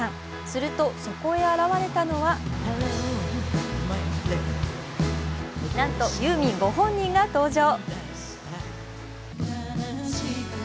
すると、そこへ現れたのはなんとユーミンご本人が登場。